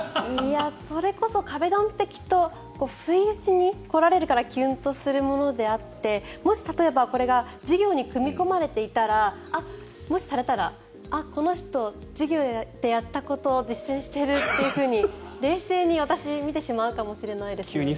それこそ壁ドンってきっと不意打ちに来られるからきゅんとするものであってもし例えばこれが授業に組み込まれていたらもし、されたらこの人は授業でやったことを実践してるって冷静に私見てしまうかもしれないですね。